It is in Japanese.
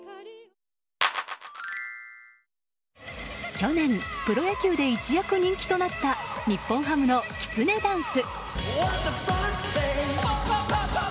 去年、プロ野球で一躍人気となった日本ハムのきつねダンス。